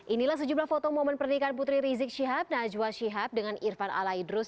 inilah sejumlah foto momen pernikahan putri rizik syihab najwa shihab dengan irfan alaidrus